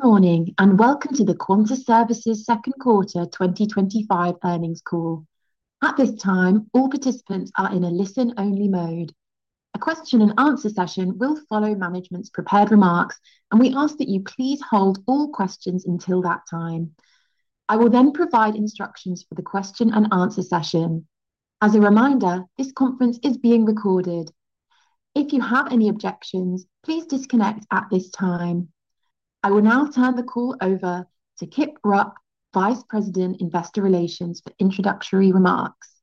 Good morning, and welcome to the Quanta Services Second Quarter 2025 Earnings Call. At this time, all participants are in a listen-only mode. A question-and-answer session will follow management's prepared remarks, and we ask that you please hold all questions until that time. I will then provide instructions for the question-and-answer session. As a reminder, this conference is being recorded. If you have any objections, please disconnect at this time. I will now turn the call over to Kip Rupp, Vice President, Investor Relations, for introductory remarks.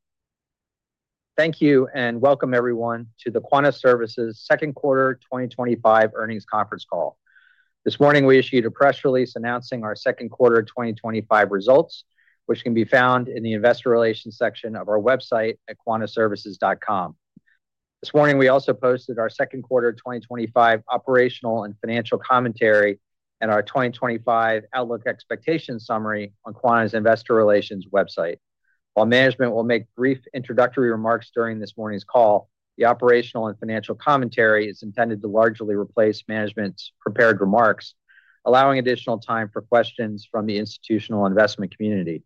Thank you, and welcome everyone to the Quanta Services Second Quarter 2025 Earnings Conference Call. This morning, we issued a press release announcing our Second Quarter 2025 results, which can be found in the Investor Relations section of our website at quantaservices.com. This morning, we also posted our Second Quarter 2025 operational and financial commentary and our 2025 outlook expectations summary on Quanta's Investor Relations website. While management will make brief introductory remarks during this morning's call, the operational and financial commentary is intended to largely replace management's prepared remarks, allowing additional time for questions from the institutional investment community.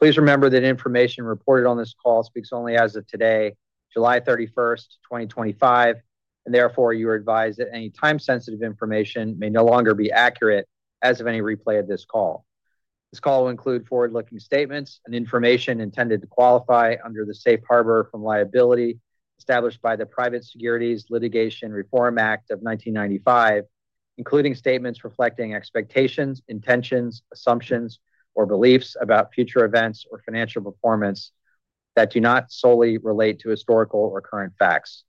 Please remember that information reported on this call speaks only as of today, July 31, 2025, and therefore you are advised that any time-sensitive information may no longer be accurate as of any replay of this call. This call will include forward-looking statements and information intended to qualify under the safe harbor from liability established by the Private Securities Litigation Reform Act of 1995, including statements reflecting expectations, intentions, assumptions, or beliefs about future events or financial performance that do not solely relate to historical or current facts.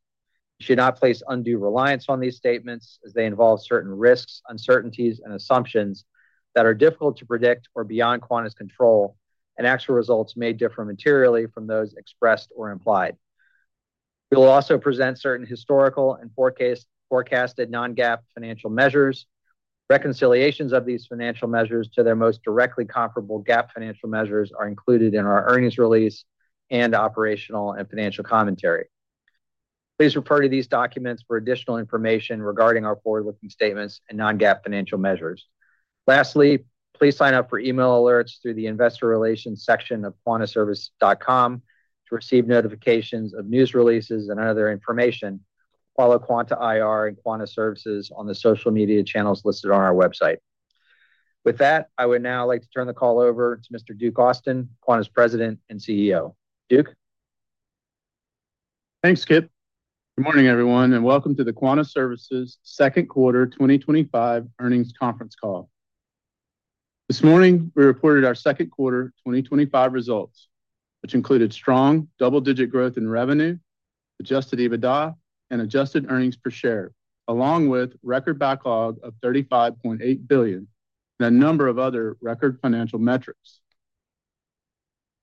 You should not place undue reliance on these statements, as they involve certain risks, uncertainties, and assumptions that are difficult to predict or beyond Quanta's control, and actual results may differ materially from those expressed or implied. We will also present certain historical and forecasted non-GAAP financial measures. Reconciliations of these financial measures to their most directly comparable GAAP financial measures are included in our earnings release and operational and financial commentary. Please refer to these documents for additional information regarding our forward-looking statements and non-GAAP financial measures. Lastly, please sign up for email alerts through the Investor Relations section of quantaservices.com to receive notifications of news releases and other information while Quanta IR and Quanta Services on the social media channels listed on our website. With that, I would now like to turn the call over to Mr. Duke Austin, Quanta's President and CEO. Duke. Thanks, Kip. Good morning, everyone, and welcome to the Quanta Services Second Quarter 2025 Earnings Conference Call. This morning, we reported our Second Quarter 2025 results, which included strong double-digit growth in revenue, adjusted EBITDA, and adjusted EPS, along with a record backlog of $35.8 billion and a number of other record financial metrics.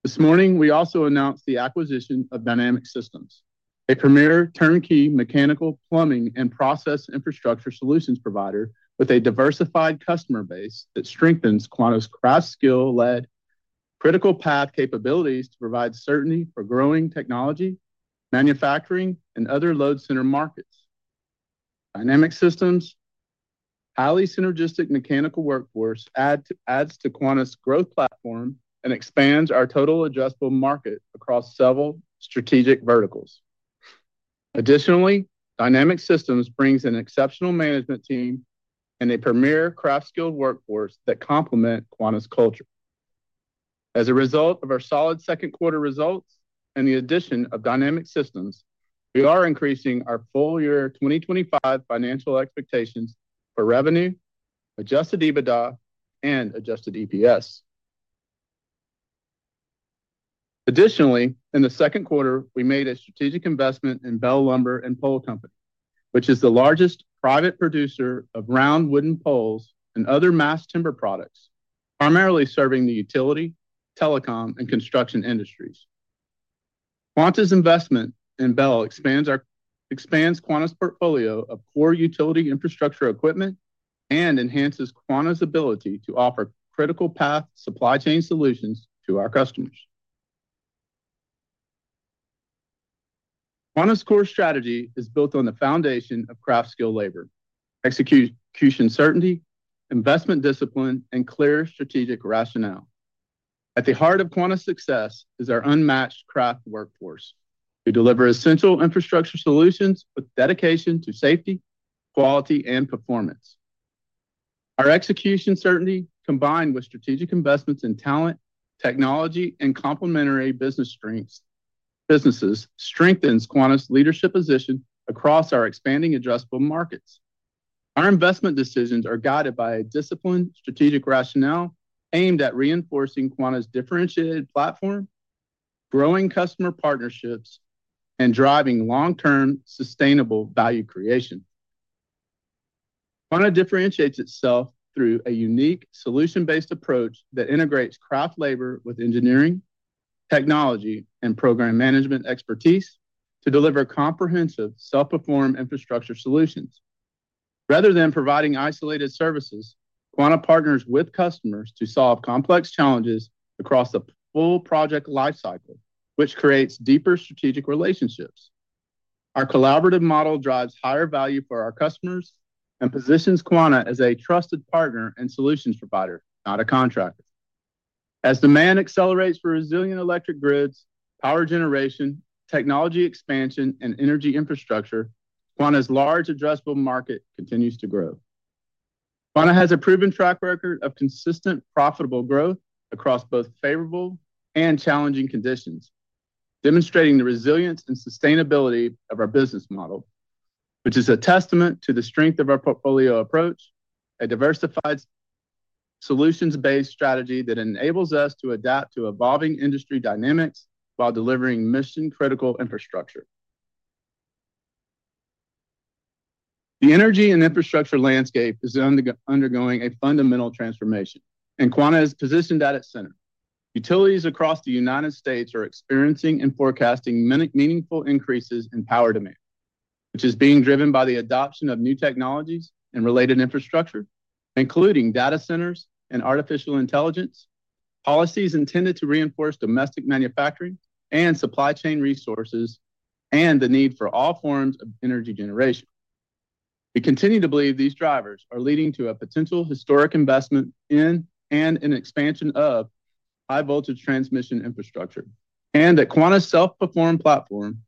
This morning, we also announced the acquisition of Dynamic Systems, a premier turnkey mechanical, plumbing, and process infrastructure solutions provider with a diversified customer base that strengthens Quanta's craft skill-led critical path capabilities to provide certainty for growing technology, manufacturing, and other load center markets. Dynamic Systems' highly synergistic mechanical workforce adds to Quanta's growth platform and expands our total addressable market across several strategic verticals. Additionally, Dynamic Systems brings an exceptional management team and a premier craft skilled workforce that complement Quanta's culture. As a result of our solid Second Quarter results and the addition of Dynamic Systems, we are increasing our full year 2025 financial expectations for revenue, adjusted EBITDA, and adjusted EPS. Additionally, in the second quarter, we made a strategic investment in Bell Lumber and Pole Company, which is the largest private producer of round wooden poles and other mass timber products, primarily serving the utility, telecom, and construction industries. Quanta's investment in Bell expands Quanta's portfolio of core utility infrastructure equipment and enhances Quanta's ability to offer critical path supply chain solutions to our customers. Quanta's core strategy is built on the foundation of craft skilled labor, execution certainty, investment discipline, and clear strategic rationale. At the heart of Quanta's success is our unmatched craft workforce, who deliver essential infrastructure solutions with dedication to safety, quality, and performance. Our execution certainty, combined with strategic investments in talent, technology, and complementary business strengths, strengthens Quanta's leadership position across our expanding addressable markets. Our investment decisions are guided by a disciplined strategic rationale aimed at reinforcing Quanta's differentiated platform, growing customer partnerships, and driving long-term sustainable value creation. Quanta differentiates itself through a unique solution-based approach that integrates craft labor with engineering, technology, and program management expertise to deliver comprehensive self-perform infrastructure solutions. Rather than providing isolated services, Quanta partners with customers to solve complex challenges across the full project lifecycle, which creates deeper strategic relationships. Our collaborative model drives higher value for our customers and positions Quanta as a trusted partner and solutions provider, not a contractor. As demand accelerates for resilient electric grids, power generation, technology expansion, and energy infrastructure, Quanta's large addressable market continues to grow. Quanta has a proven track record of consistent profitable growth across both favorable and challenging conditions, demonstrating the resilience and sustainability of our business model, which is a testament to the strength of our portfolio approach, a diversified solutions-based strategy that enables us to adapt to evolving industry dynamics while delivering mission-critical infrastructure. The energy and infrastructure landscape is undergoing a fundamental transformation, and Quanta is positioned at its center. Utilities across the U.S. are experiencing and forecasting meaningful increases in power demand, which is being driven by the adoption of new technologies and related infrastructure, including data centers and artificial intelligence, policies intended to reinforce domestic manufacturing and supply chain resources, and the need for all forms of energy generation. We continue to believe these drivers are leading to a potential historic investment in and an expansion of high voltage transmission infrastructure, and that Quanta's self-perform platform,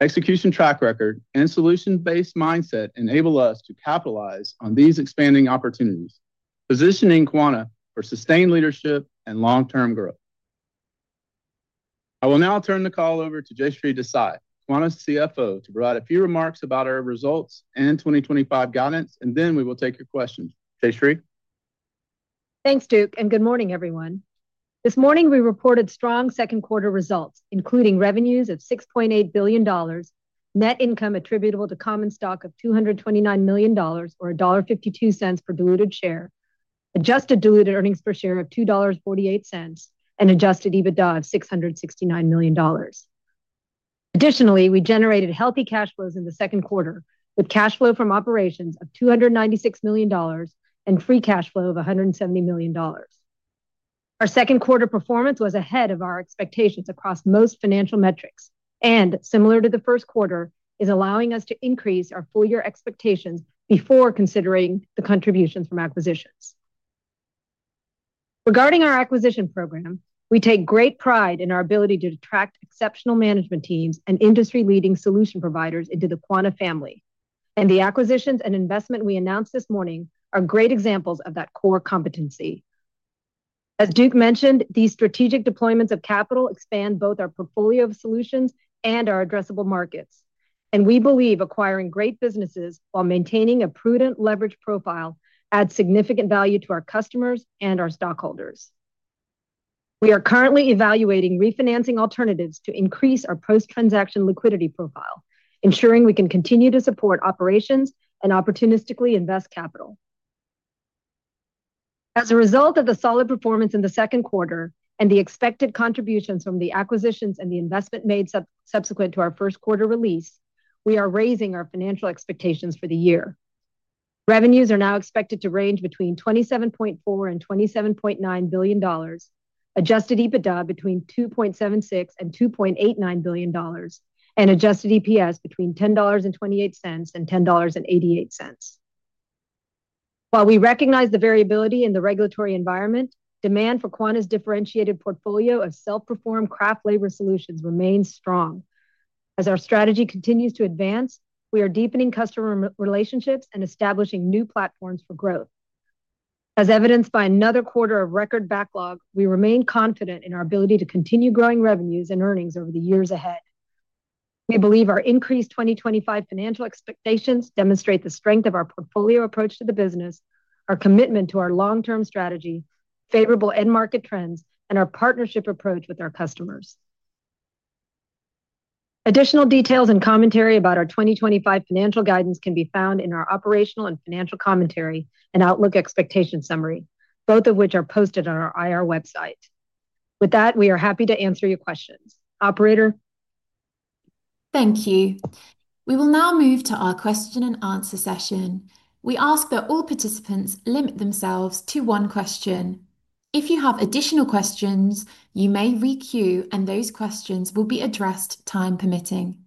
execution track record, and solution-based mindset enable us to capitalize on these expanding opportunities, positioning Quanta for sustained leadership and long-term growth. I will now turn the call over to Jayshree Desai, Quanta's CFO, to provide a few remarks about our results and 2025 guidance, and then we will take your questions. Jayshree. Thanks, Duke, and good morning, everyone. This morning, we reported strong second quarter results, including revenues of $6.8 billion, net income attributable to common stock of $229 million, or $1.52 per diluted share, adjusted diluted earnings per share of $2.48, and adjusted EBITDA of $669 million. Additionally, we generated healthy cash flows in the second quarter, with cash flow from operations of $296 million and free cash flow of $170 million. Our second quarter performance was ahead of our expectations across most financial metrics, and similar to the first quarter, is allowing us to increase our full year expectations before considering the contributions from acquisitions. Regarding our acquisition program, we take great pride in our ability to attract exceptional management teams and industry-leading solution providers into the Quanta family, and the acquisitions and investment we announced this morning are great examples of that core competency. As Duke mentioned, these strategic deployments of capital expand both our portfolio of solutions and our addressable markets, and we believe acquiring great businesses while maintaining a prudent leverage profile adds significant value to our customers and our stockholders. We are currently evaluating refinancing alternatives to increase our post-transaction liquidity profile, ensuring we can continue to support operations and opportunistically invest capital. As a result of the solid performance in the second quarter and the expected contributions from the acquisitions and the investment made subsequent to our first quarter release, we are raising our financial expectations for the year. Revenues are now expected to range between $27.4 and $27.9 billion, adjusted EBITDA between $2.76 and $2.89 billion, and adjusted EPS between $10.28 and $10.88. While we recognize the variability in the regulatory environment, demand for Quanta's differentiated portfolio of self-perform craft labor solutions remains strong. As our strategy continues to advance, we are deepening customer relationships and establishing new platforms for growth. As evidenced by another quarter of record backlog, we remain confident in our ability to continue growing revenues and earnings over the years ahead. We believe our increased 2025 financial expectations demonstrate the strength of our portfolio approach to the business, our commitment to our long-term strategy, favorable end market trends, and our partnership approach with our customers. Additional details and commentary about our 2025 financial guidance can be found in our operational and financial commentary and outlook expectation summary, both of which are posted on our IR website. With that, we are happy to answer your questions. Operator. Thank you. We will now move to our question and answer session. We ask that all participants limit themselves to one question. If you have additional questions, you may re-queue, and those questions will be addressed time permitting.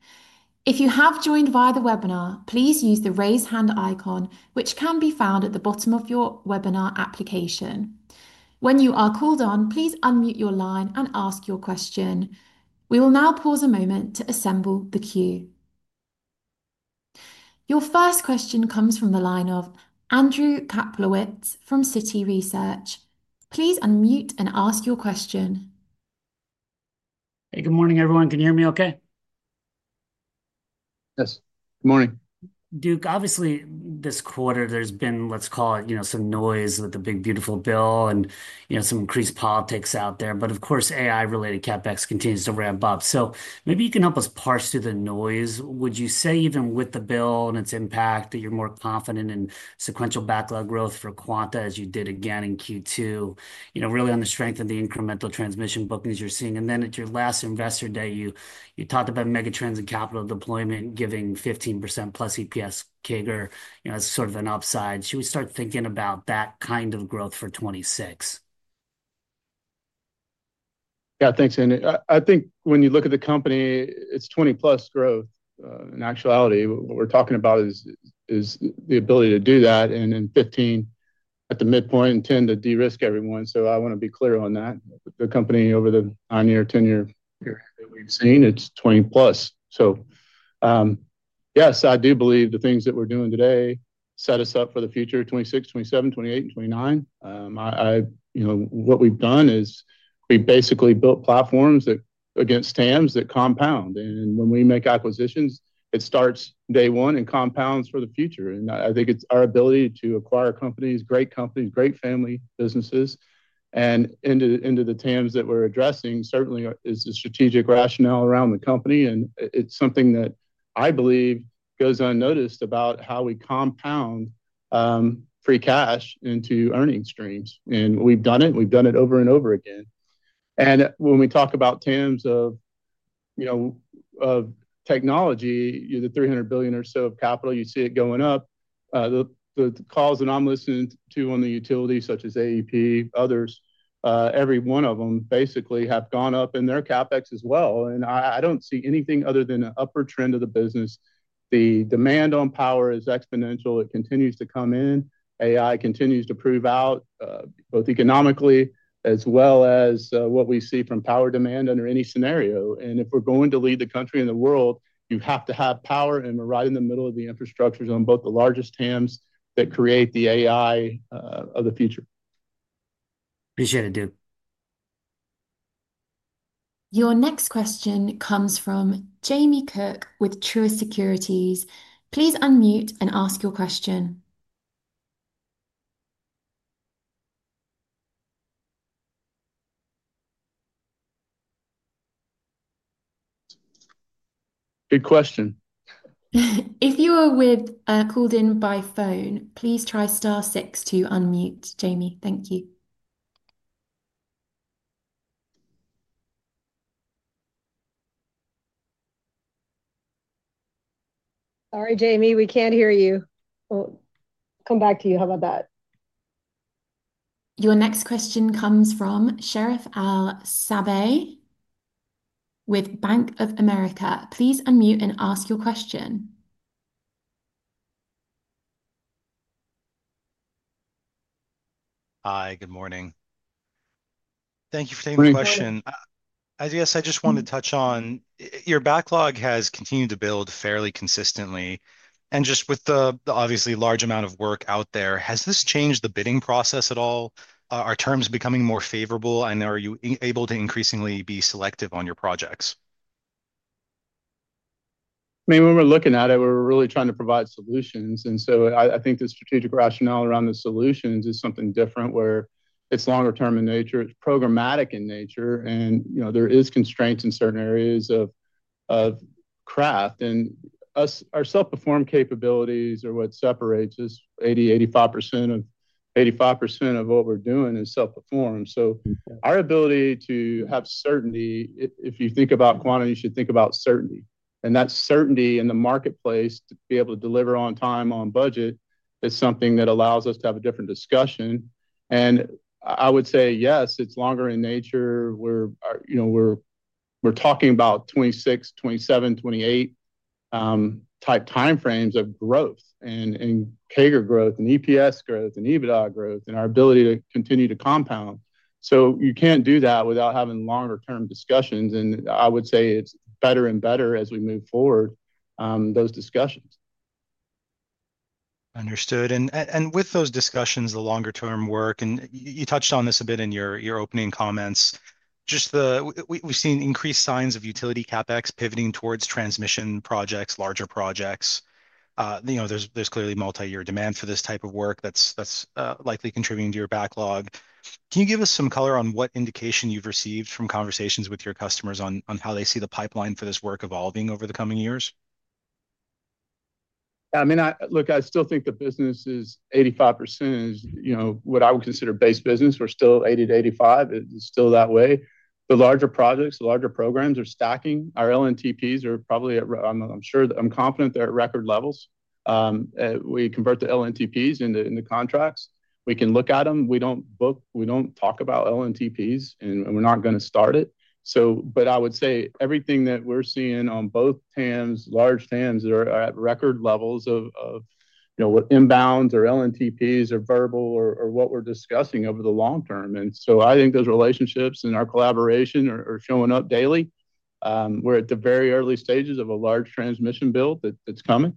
If you have joined via the webinar, please use the raise hand icon, which can be found at the bottom of your webinar application. When you are called on, please unmute your line and ask your question. We will now pause a moment to assemble the queue. Your first question comes from the line of Andy Kaplowitz from Citi Research. Please unmute and ask your question. Hey, good morning, everyone. Can you hear me okay? Yes, good morning. Duke, obviously, this quarter, there's been, let's call it, some noise with the big beautiful bill and some increased politics out there. Of course, AI-related CapEx continues to ramp up. Maybe you can help us parse through the noise. Would you say even with the bill and its impact that you're more confident in sequential backlog growth for Quanta Services as you did again in Q2, really on the strength of the incremental transmission bookings you're seeing? At your last investor day, you talked about megatrends and capital deployment giving 15% plus EPS CAGR as sort of an upside. Should we start thinking about that kind of growth for 2026? Yeah, thanks, Andy. I think when you look at the company, it's 20-plus growth. In actuality, what we're talking about is the ability to do that and then 15 at the midpoint and tend to de-risk everyone. I want to be clear on that. The company over the nine-year, ten-year period that we've seen, it's 20-plus. Yes, I do believe the things that we're doing today set us up for the future of 2026, 2027, 2028, and 2029. You know, what we've done is we basically built platforms against TAMs that compound. When we make acquisitions, it starts day one and compounds for the future. I think it's our ability to acquire companies, great companies, great family businesses, and into the TAMs that we're addressing certainly is the strategic rationale around the company. It's something that I believe goes unnoticed about how we compound free cash into earnings streams. We've done it. We've done it over and over again. When we talk about TAMs of technology, the $300 billion or so of capital, you see it going up. The calls that I'm listening to on the utilities, such as AEP, others, every one of them basically have gone up in their CapEx as well. I don't see anything other than an upward trend of the business. The demand on power is exponential. It continues to come in. AI continues to prove out both economically as well as what we see from power demand under any scenario. If we're going to lead the country and the world, you have to have power and we're right in the middle of the infrastructures on both the largest TAMs that create the AI of the future. Appreciate it, Duke. Your next question comes from Jamie Cook with Truist Securities. Please unmute and ask your question. Good question. If you are called in by phone, please try star six to unmute, Jamie. Thank you. Sorry, Jamie, we can't hear you. We'll come back to you. How about that? Your next question comes from Sherif El-Sabbahy with Bank of America. Please unmute and ask your question. Hi, good morning. Thank you for taking the question. I guess I just want to touch on your backlog has continued to build fairly consistently. Just with the obviously large amount of work out there, has this changed the bidding process at all? Are terms becoming more favorable, and are you able to increasingly be selective on your projects? I mean, when we're looking at it, we're really trying to provide solutions. I think the strategic rationale around the solutions is something different where it's longer-term in nature. It's programmatic in nature. There are constraints in certain areas of craft, and our self-perform capabilities are what separates us. 80%, 85% of what we're doing is self-perform, so our ability to have certainty, if you think about Quanta, you should think about certainty. That certainty in the marketplace to be able to deliver on time, on budget, is something that allows us to have a different discussion. I would say, yes, it's longer in nature. We're talking about '26, '27, '28 type time frames of growth and CAGR growth and EPS growth and EBITDA growth and our ability to continue to compound. You can't do that without having longer-term discussions. I would say it's better and better as we move forward, those discussions. Understood. With those discussions, the longer-term work, and you touched on this a bit in your opening comments, we've seen increased signs of utility CapEx pivoting towards transmission projects, larger projects. There's clearly multi-year demand for this type of work. That's likely contributing to your backlog. Can you give us some color on what indication you've received from conversations with your customers on how they see the pipeline for this work evolving over the coming years? I mean, look, I still think the business is 85% is what I would consider base business. We're still 80 to 85%. It's still that way. The larger projects, the larger programs are stacking. Our LNTPs are probably, I'm sure, I'm confident they're at record levels. We convert the LNTPs into contracts. We can look at them. We don't talk about LNTPs, and we're not going to start it. I would say everything that we're seeing on both TAMs, large TAMs that are at record levels of inbounds or LNTPs or verbal or what we're discussing over the long term. I think those relationships and our collaboration are showing up daily. We're at the very early stages of a large transmission build that's coming.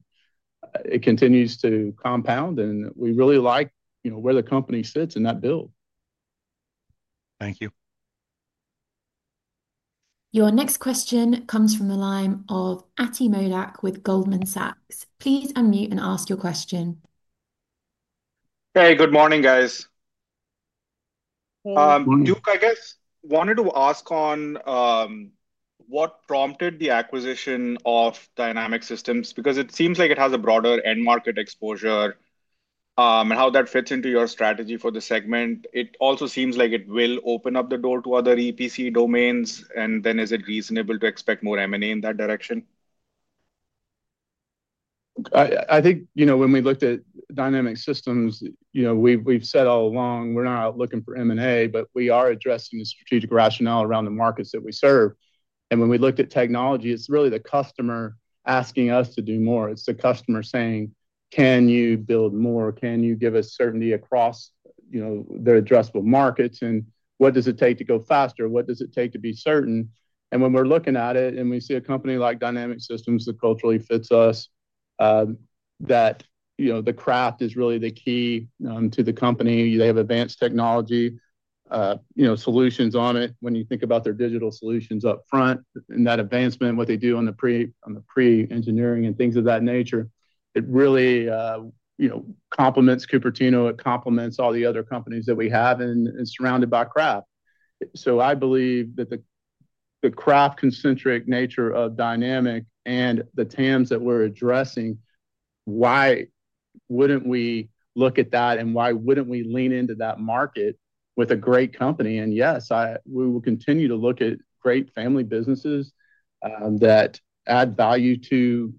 It continues to compound, and we really like where the company sits in that bill. Thank you. Your next question comes from the line of Ati Modak with Goldman Sachs. Please unmute and ask your question. Hey, good morning, guys. Duke, I guess wanted to ask on what prompted the acquisition of Dynamic Systems? Because it seems like it has a broader end market exposure, and how that fits into your strategy for the segment. It also seems like it will open up the door to other EPC domains? Is it reasonable to expect more M&A in that direction? I think when we looked at Dynamic Systems, we've said all along we're not out looking for M&A, but we are addressing the strategic rationale around the markets that we serve. When we looked at technology, it's really the customer asking us to do more. It's the customer saying, "can you build more? Can you give us certainty across their addressable markets? What does it take to go faster? What does it take to be certain?" when we're looking at it and we see a company like Dynamic Systems that culturally fits us, the craft is really the key to the company. They have advanced technology solutions on it. When you think about their digital solutions upfront and that advancement, what they do on the pre-engineering and things of that nature, it really complements Cupertino. It complements all the other companies that we have and is surrounded by craft. I believe that the craft-concentric nature of Dynamic and the TAMs that we're addressing, why wouldn't we look at that and why wouldn't we lean into that market with a great company? Yes, we will continue to look at great family businesses that add value to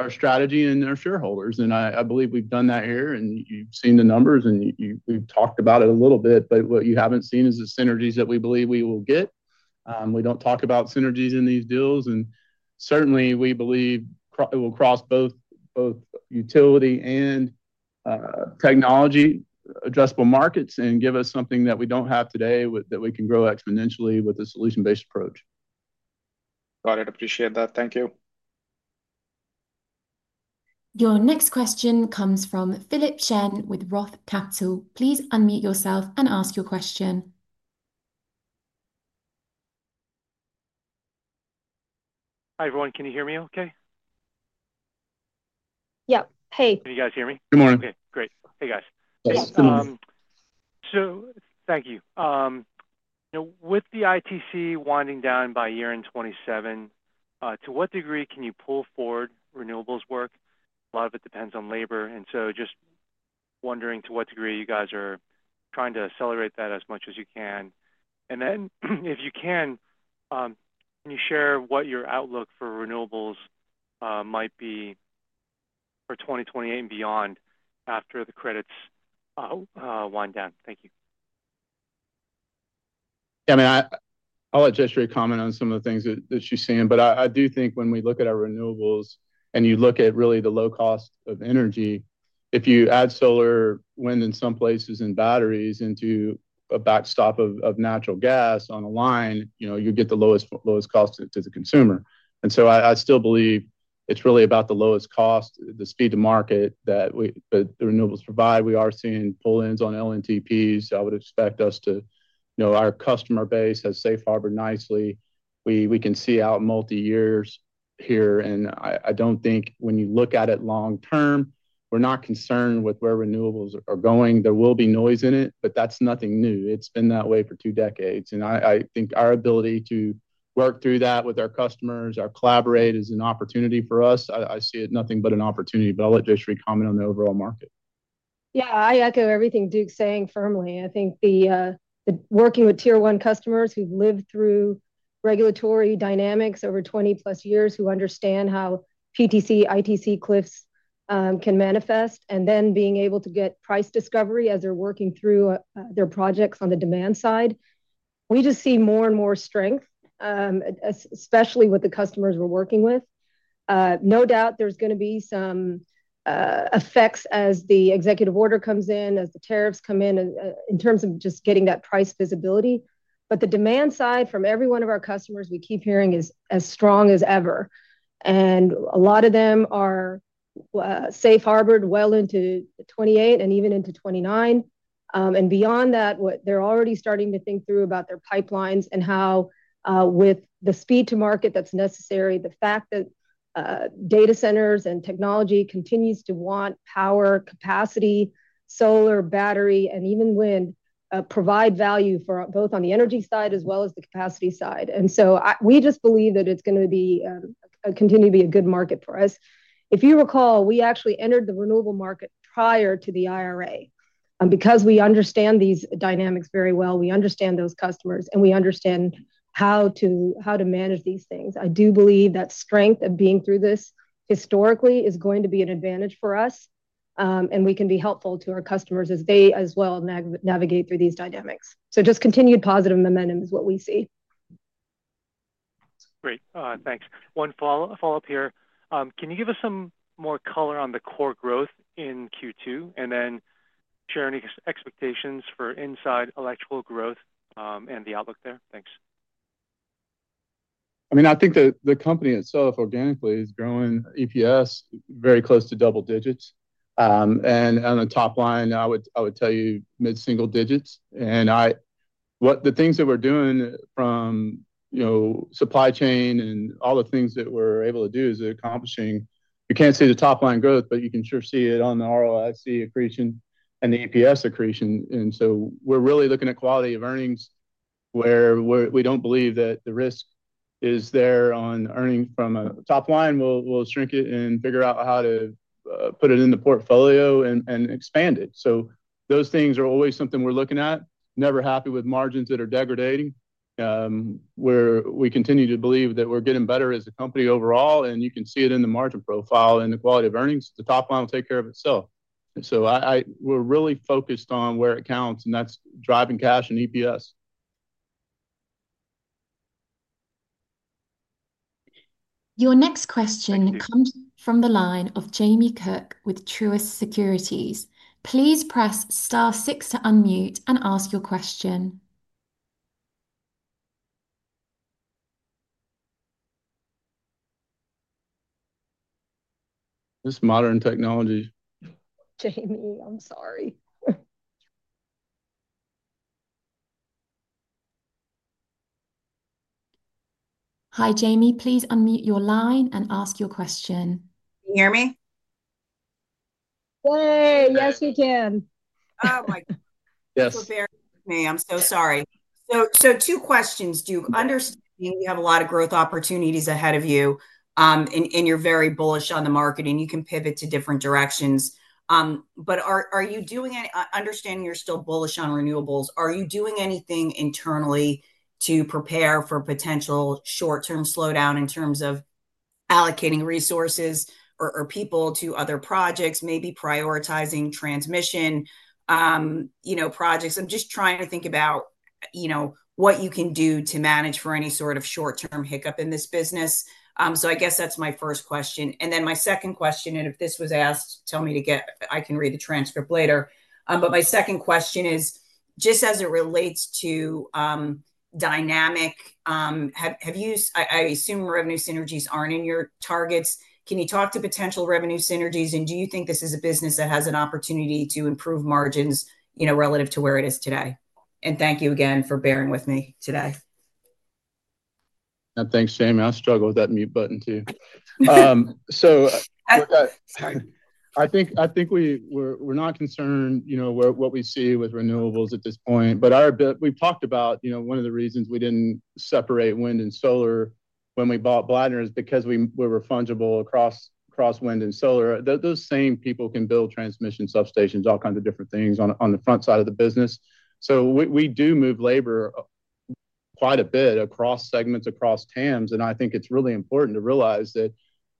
our strategy and our shareholders. I believe we've done that here. You've seen the numbers, and we've talked about it a little bit. What you haven't seen is the synergies that we believe we will get. We don't talk about synergies in these deals. Certainly, we believe it will cross both utility and technology addressable markets and give us something that we don't have today that we can grow exponentially with a solution-based approach. Got it. Appreciate that. Thank you. Your next question comes from Philip Shen with ROTH Capital. Please unmute yourself and ask your question. Hi, everyone. Can you hear me okay? Yep. Hey. Can you guys hear me? Good morning. Okay. Great. Hey, guys. Thank you. With the ITC winding down by year-end '27, to what degree can you pull forward renewables work? A lot of it depends on labor, and just wondering to what degree you guys are trying to accelerate that as much as you can. If you can, can you share what your outlook for renewables might be for 2028 and beyond after the credits wind down? Thank you. Yeah. I'll adjust your comment on some of the things that you're seeing. I do think when we look at our renewables and you look at really the low cost of energy, if you add solar, wind in some places, and batteries into a backstop of natural gas on a line, you get the lowest cost to the consumer. I still believe it's really about the lowest cost, the speed to market that the renewables provide. We are seeing pull-ins on LNTPs. I would expect us to. Our customer base has safe harbored nicely. We can see out multi-years here. I don't think when you look at it long-term, we're not concerned with where renewables are going. There will be noise in it, but that's nothing new. It's been that way for two decades. I think our ability to work through that with our customers, our collaborators, is an opportunity for us. I see it nothing but an opportunity, but I'll let Jayshree comment on the overall market. Yeah, I echo everything Duke's saying firmly. I think working with tier-one customers who've lived through regulatory dynamics over 20-plus years, who understand how PTC, ITC cliffs can manifest, and then being able to get price discovery as they're working through their projects on the demand side, we just see more and more strength, especially with the customers we're working with. No doubt there's going to be some effects as the executive order comes in, as the tariffs come in, in terms of just getting that price visibility. The demand side from every one of our customers we keep hearing is as strong as ever. A lot of them are safe harbored well into '28 and even into '29. Beyond that, they're already starting to think through about their pipelines and how, with the speed to market that's necessary, the fact that data centers and technology continues to want power, capacity, solar, battery, and even wind provide value for both on the energy side as well as the capacity side. We just believe that it's going to continue to be a good market for us. If you recall, we actually entered the renewable market prior to the IRA because we understand these dynamics very well, we understand those customers, and we understand how to manage these things. I do believe that strength of being through this historically is going to be an advantage for us. We can be helpful to our customers as they as well navigate through these dynamics. Just continued positive momentum is what we see. Great. Thanks. One follow-up here. Can you give us some more color on the core growth in Q2? And then share any expectations for inside electrical growth and the outlook there? Thanks. I mean, I think the company itself organically is growing EPS very close to double digits. On the top line, I would tell you mid-single digits. The things that we're doing from supply chain and all the things that we're able to do is accomplishing you can't see the top-line growth, but you can sure see it on the ROIC accretion and the EPS accretion. We're really looking at quality of earnings where we don't believe that the risk is there on earning from a top line. We'll shrink it and figure out how to put it in the portfolio and expand it. Those things are always something we're looking at. Never happy with margins that are degradating. We continue to believe that we're getting better as a company overall, and you can see it in the margin profile and the quality of earnings. The top line will take care of itself. We're really focused on where it counts, and that's driving cash and EPS. Your next question comes from the line of Jamie Cook with Truist Securities. Please press star six to unmute and ask your question. This is modern technology. Jamie I'm sorry. Hi, Jamie. Please unmute your line and ask your question. Can you hear me? Yes, we can. Oh my. Yes. I'm so sorry. Two questions, Duke. Understanding you have a lot of growth opportunities ahead of you. You're very bullish on the market, and you can pivot to different directions. Are you doing any, understanding you're still bullish on renewables, are you doing anything internally to prepare for potential short-term slowdown in terms of allocating resources or people to other projects, maybe prioritizing transmission projects? I'm just trying to think about what you can do to manage for any sort of short-term hiccup in this business. That's my first question. My second question, and if this was asked, tell me, I can read the transcript later. My second question is just as it relates to Dynamic. I assume revenue synergies aren't in your targets. Can you talk to potential revenue synergies? Do you think this is a business that has an opportunity to improve margins relative to where it is today? Thank you again for bearing with me today. Thanks, Jamie. I struggle with that mute button too. I think we're not concerned with what we see with renewables at this point. We've talked about one of the reasons we didn't separate wind and solar when we bought Blattner is because we were fungible across wind and solar. Those same people can build transmission substations, all kinds of different things on the front side of the business. We do move labor quite a bit across segments, across TAMs. I think it's really important to realize that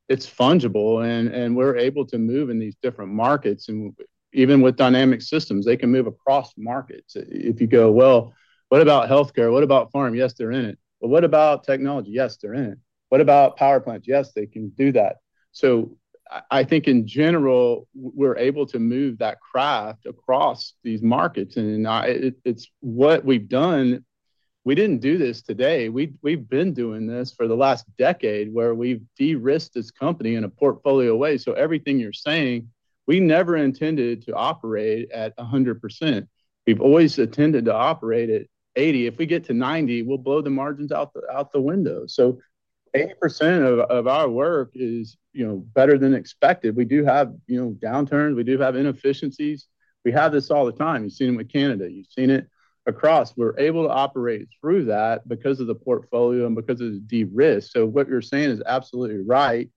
it's fungible and we're able to move in these different markets. Even with Dynamic Systems, they can move across markets. If you go, what about healthcare? What about farm? Yes, they're in it. What about technology? Yes, they're in it. What about power plants? Yes, they can do that. I think in general, we're able to move that craft across these markets. It's what we've done. We didn't do this today. We've been doing this for the last decade where we've de-risked this company in a portfolio way. Everything you're saying, we never intended to operate at 100%. We've always intended to operate at 80%. If we get to 90%, we'll blow the margins out the window. 80% of our work is better than expected. We do have downturns. We do have inefficiencies. We have this all the time. You've seen it with Canada. You've seen it across. We're able to operate through that because of the portfolio and because of the de-risk. What you're saying is absolutely right.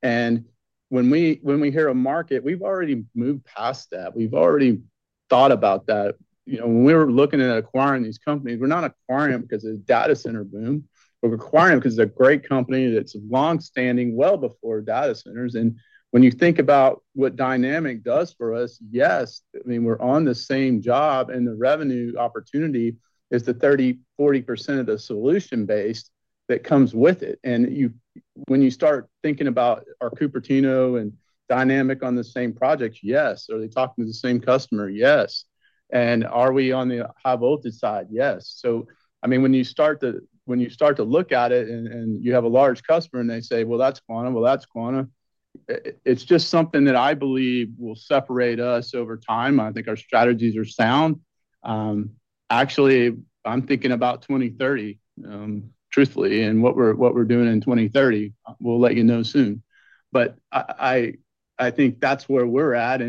When we hear a market, we've already moved past that. We've already thought about that. When we were looking at acquiring these companies, we're not acquiring them because of the data center boom. We're acquiring them because it's a great company that's long-standing well before data centers. When you think about what Dynamic does for us, yes, I mean, we're on the same job. The revenue opportunity is the 30%, 40% of the solution base that comes with it. When you start thinking about our Cupertino and Dynamic on the same project, yes. Are they talking to the same customer? Yes. Are we on the high voltage side? Yes. When you start to look at it and you have a large customer and they say, "well, that's Quanta, well, that's Quanta". It's just something that I believe will separate us over time. I think our strategies are sound. Actually, I'm thinking about 2030. Truthfully, and what we're doing in 2030, we'll let you know soon. I think that's where we're at.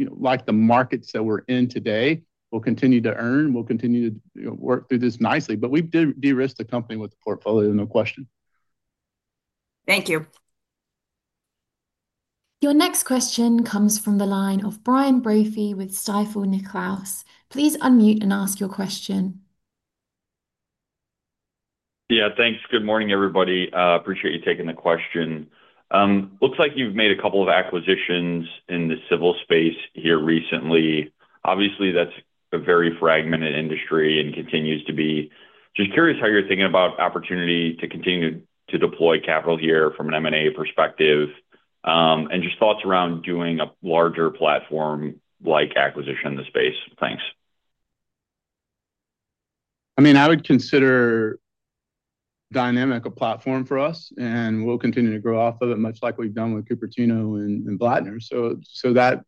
I continue to really like the markets that we're in today. We'll continue to earn. We'll continue to work through this nicely. We've de-risked the company with the portfolio, no question. Thank you. Your next question comes from the line of Brian Brophy with Stifel Nicolaus. Please unmute and ask your question. Yeah, thanks. Good morning, everybody. Appreciate you taking the question. Looks like you've made a couple of acquisitions in the civil space here recently. Obviously, that's a very fragmented industry and continues to be. Just curious how you're thinking about opportunity to continue to deploy capital here from an M&A perspective? And Just thoughts around doing a larger platform-like acquisition in the space. Thanks. I mean, I would consider Dynamic a platform for us, and we'll continue to grow off of it much like we've done with Cupertino and Blattner. That,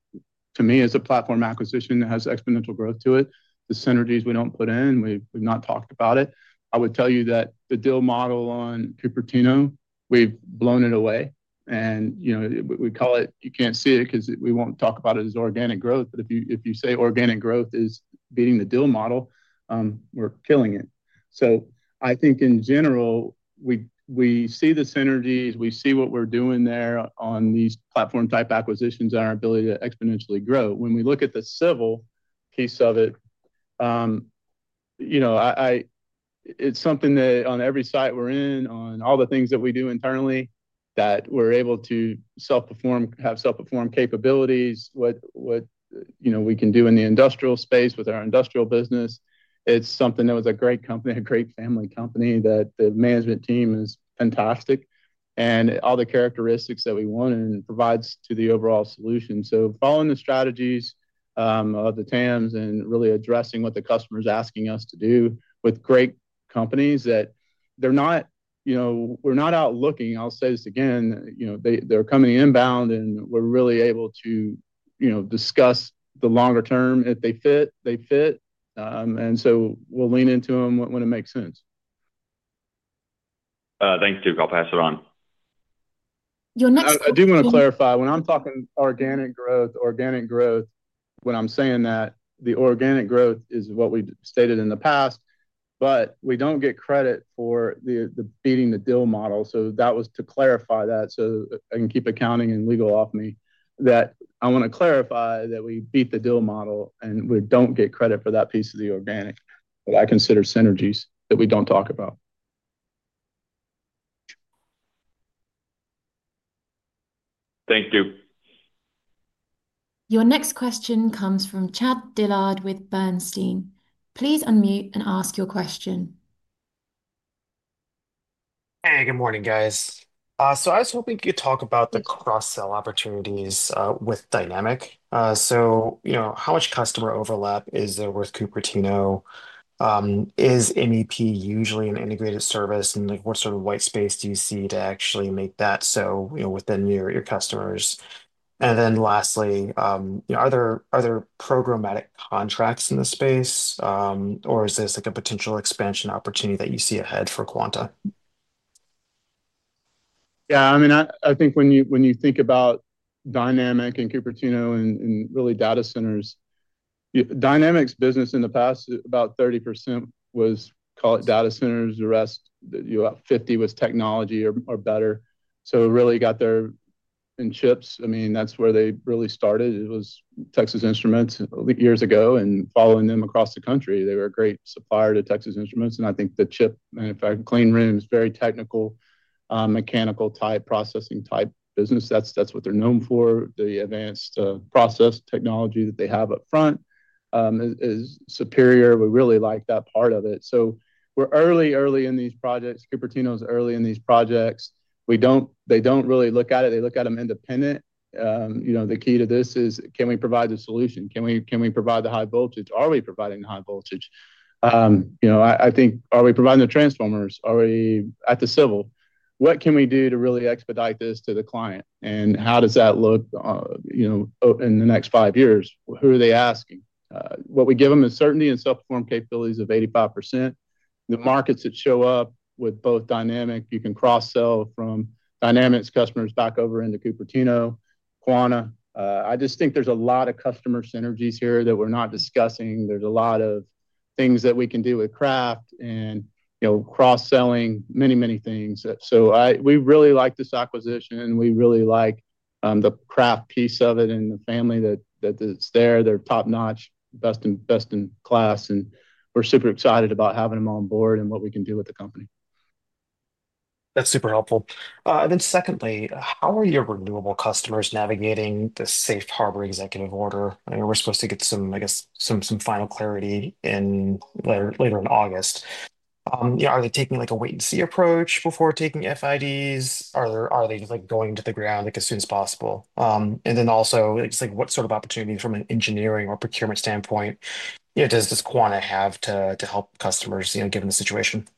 to me, is a platform acquisition that has exponential growth to it. The synergies we don't put in, we've not talked about it. I would tell you that the deal model on Cupertino, we've blown it away. We call it you can't see it because we won't talk about it as organic growth. If you say organic growth is beating the deal model, we're killing it. I think in general, we see the synergies. We see what we're doing there on these platform-type acquisitions and our ability to exponentially grow. When we look at the civil piece of it, it's something that on every site we're in, on all the things that we do internally, that we're able to have self-perform capabilities, what we can do in the industrial space with our industrial business. It's something that was a great company, a great family company that the management team is fantastic and all the characteristics that we want and provides to the overall solution. Following the strategies of the TAMs and really addressing what the customer is asking us to do with great companies, we're not outlooking. I'll say this again. They're coming inbound, and we're really able to discuss the longer term. If they fit, they fit, and we'll lean into them when it makes sense. Thanks, Duke. I'll pass it on. Your next question. I do want to clarify. When I'm talking organic growth, organic growth, when I'm saying that the organic growth is what we stated in the past, but we don't get credit for beating the DEAL model. That was to clarify that so I can keep accounting and legal off me. I want to clarify that we beat the DEAL model and we don't get credit for that piece of the organic that I consider synergies that we don't talk about. Thank you. Your next question comes from Chad Dillard with Bernstein. Please unmute and ask your question. Good morning, guys. I was hoping to talk about the cross-sell opportunities with Dynamic. How much customer overlap is there with Cupertino? Is MEP usually an integrated service? What sort of white space do you see to actually make that so within your customers? Lastly, are there programmatic contracts in the space, or is this a potential expansion opportunity that you see ahead for Quanta? Yeah. I mean, I think when you think about Dynamic and Cupertino and really data centers, Dynamic's business in the past, about 30% was, call it data centers. The rest, 50% was technology or better. It really got there in chips. I mean, that's where they really started. It was Texas Instruments years ago. Following them across the country, they were a great supplier to Texas Instruments. I think the chip manufacturer, clean rooms, very technical, mechanical-type processing-type business, that's what they're known for. The advanced process technology that they have up front is superior. We really like that part of it. We're early, early in these projects. Cupertino is early in these projects. They don't really look at it. They look at them independent. The key to this is, can we provide the solution? Can we provide the high voltage? Are we providing the high voltage? I think, are we providing the transformers? Are we at the civil? What can we do to really expedite this to the client? How does that look in the next five years? Who are they asking? What we give them is certainty and self-perform capabilities of 85%. The markets that show up with both Dynamic, you can cross-sell from Dynamic's customers back over into Cupertino, Quanta. I just think there's a lot of customer synergies here that we're not discussing. There's a lot of things that we can do with craft and cross-selling many, many things. We really like this acquisition. We really like the craft piece of it and the family that's there. They're top-notch, best in class. We're super excited about having them on board and what we can do with the company. That's super helpful. Secondly, how are your renewable customers navigating the afe Harbor executive order? I know we're supposed to get some, I guess, some final clarity in later in August. Are they taking a wait-and-see approach before taking FIDs? Are they just going to the ground as soon as possible? Also, what sort of opportunities from an engineering or procurement standpoint does Quanta have to help customers given the situation?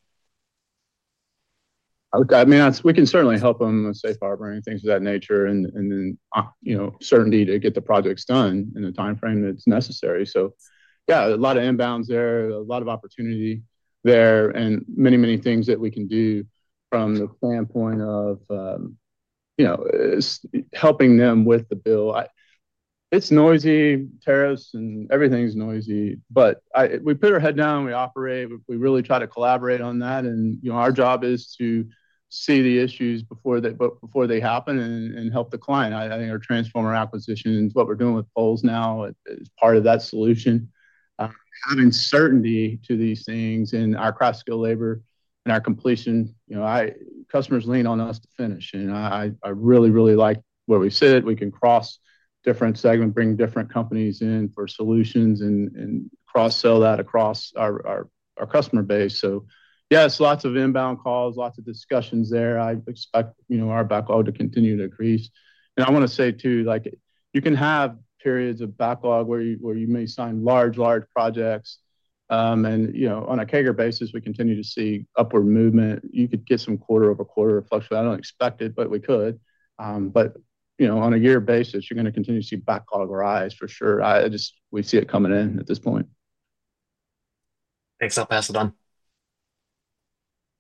I mean, we can certainly help them with safe harboring and things of that nature. Certainty to get the projects done in the timeframe that's necessary. Yeah, a lot of inbounds there, a lot of opportunity there, and many, many things that we can do from the standpoint of helping them with the bill. It's noisy. Tariffs and everything's noisy. We put our head down. We operate. We really try to collaborate on that. Our job is to see the issues before they happen and help the client. I think our transformer acquisition is what we're doing with Poles now as part of that solution. Having certainty to these things and our craft skill labor and our completion. Customers lean on us to finish. I really, really like where we sit. We can cross different segments, bring different companies in for solutions, and cross-sell that across our customer base. Yeah, it's lots of inbound calls, lots of discussions there. I expect our backlog to continue to increase. I want to say too, you can have periods of backlog where you may sign large, large projects. On a CAGR basis, we continue to see upward movement. You could get some quarter-over-quarter reflection. I don't expect it, but we could. On a year basis, you're going to continue to see backlog rise for sure. We see it coming in at this point. Thanks. I'll pass it on.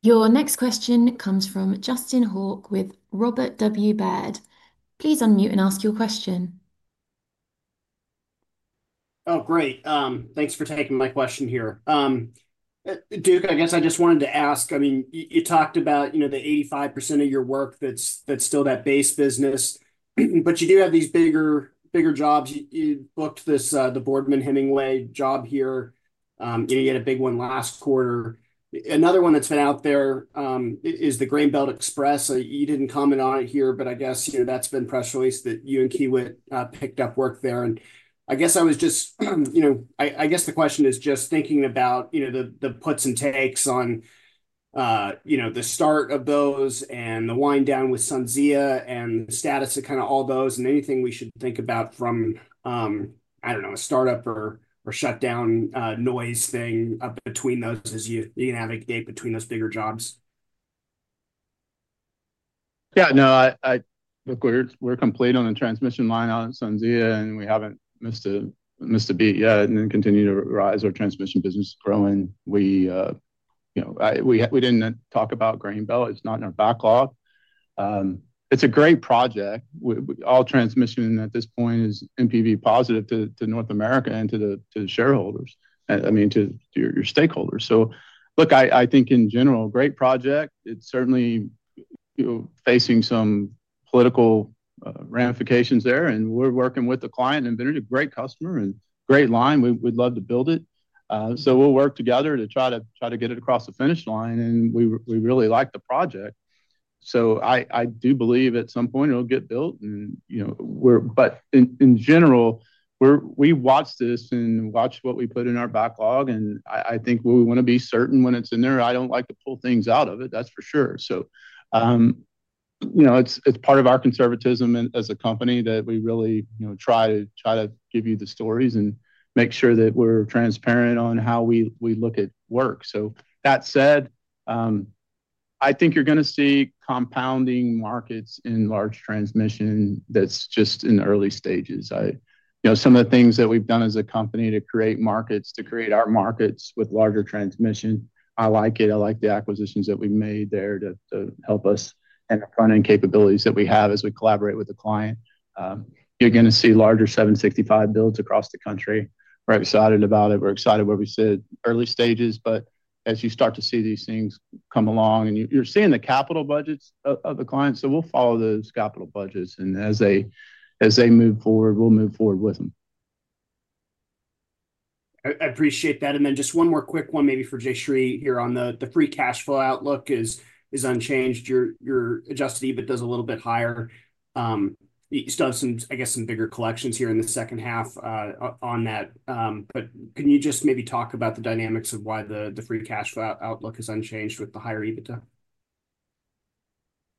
Your next question comes from Justin Hauke with Robert W. Baird. Please unmute and ask your question. Oh, great. Thanks for taking my question here. Duke, I guess I just wanted to ask, I mean, you talked about the 85% of your work that's still that base business. You do have these bigger jobs. You booked the Boardman Hemingway job here. You had a big one last quarter. Another one that's been out there is the Grain Belt Express. You didn't comment on it here, but I guess that's been press released that you and Kiewit picked up work there. I guess the question is just thinking about the puts and takes on the start of those and the wind down with SunZia and the status of kind of all those and anything we should think about from, I don't know, a startup or shutdown noise thing between those as you navigate between those bigger jobs. Yeah. No, I think we're complete on the transmission line out of SunZia, and we haven't missed a beat yet. Our transmission business is growing. We didn't talk about Grain Belt. It's not in our backlog. It's a great project. All transmission at this point is NPV positive to North America and to the shareholders, I mean, to your stakeholders. I think in general, great project. It's certainly facing some political ramifications there. We're working with the client and been a great customer and great line. We'd love to build it. We'll work together to try to get it across the finish line. We really like the project. I do believe at some point it'll get built. In general, we watch this and watch what we put in our backlog. I think we want to be certain when it's in there. I don't like to pull things out of it, that's for sure. It's part of our conservatism as a company that we really try to give you the stories and make sure that we're transparent on how we look at work. That said, I think you're going to see compounding markets in large transmission that's just in the early stages. Some of the things that we've done as a company to create markets, to create our markets with larger transmission, I like it. I like the acquisitions that we've made there to help us and the front-end capabilities that we have as we collaborate with the client. You're going to see larger 765 builds across the country. We're excited about it. We're excited where we said early stages. As you start to see these things come along and you're seeing the capital budgets of the client, we'll follow those capital budgets. As they move forward, we'll move forward with them. I appreciate that. Just one more quick one maybe for Jayshree here on the free cash flow outlook is unchanged. Your adjusted EBITDA is a little bit higher. You still have some, I guess, some bigger collections here in the second half on that. Can you just maybe talk about the dynamics of why the free cash flow outlook is unchanged with the higher EBITDA?